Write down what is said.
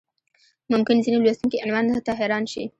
ممکن ځینې لوستونکي عنوان ته حیران شي.